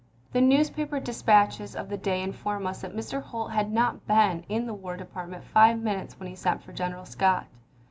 The newspaper dispatches of the day inform us that Mr. Holt had not been in the War Department five minutes when he sent for General Scott.